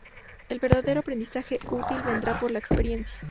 El verdadero aprendizaje útil vendrá por la experiencia.